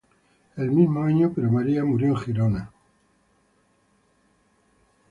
El mismo año, pero, Maria murió en Girona.